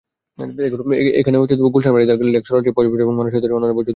এখনো গুলশান-বারিধারা লেক সরাসরি পয়োবর্জ্য এবং মানুষের তৈরি অন্যান্য বর্জ্যে দূষিত হচ্ছে।